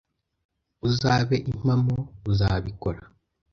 Uzabe impamo, uzabikora?